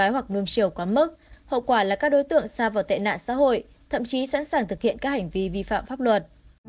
hậu quả là các đối tượng xa vào tệ nạn xã hội thậm chí sẵn sàng thực hiện các hành vi vi phạm pháp luật